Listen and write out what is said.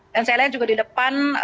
dan saya lihat juga di depan